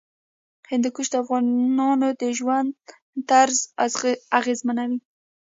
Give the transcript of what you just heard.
هندوکش د افغانانو د ژوند طرز اغېزمنوي.